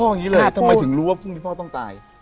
อย่างนี้เลยทำไมถึงรู้ว่าพรุ่งนี้พ่อต้องตาย